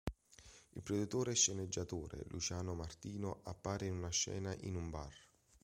Il produttore e sceneggiatore Luciano Martino appare in una scena in un bar.